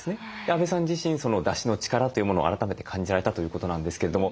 阿部さん自身だしの力というものを改めて感じられたということなんですけれども。